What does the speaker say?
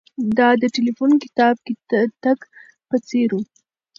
دا د ټیلیفون کتاب کې د تګ په څیر و